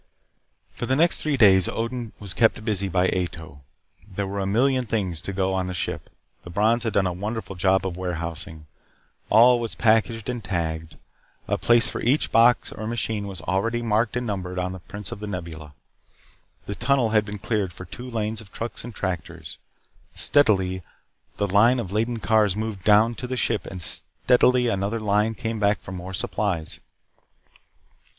For the next three days Odin was kept busy by Ato. There were a million things to go on the ship. The Brons had done a wonderful job of warehousing. All was packaged and tagged. A place for each box or machine was already marked and numbered on the prints of The Nebula. The tunnel had been cleared for two lanes of trucks and tractors. Steadily the line of laden cars moved down to the ship and steadily another line came back for more supplies.